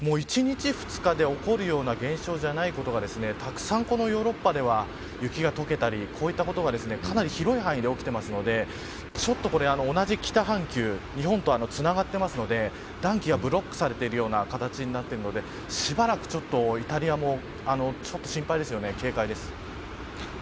１日、２日で起こるような現象じゃないことがたくさん、このヨーロッパでは雪がとけたり、こういったことがかなり広い範囲で起きているのでちょっと、同じ北半球日本とつながっているので暖気がブロックされているような形になっているのでしばらくちょっとイタリアも心配ですよね。